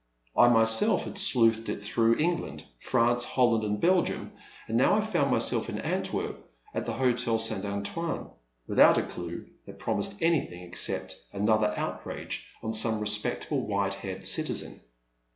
I myself had sleuthed it through Eng land, Prance, Holland and Belgium, and now I found myself in Antwerp at the Hotel St. Antoine without a due that promised anything except another outrage on some respectable white haired citizen.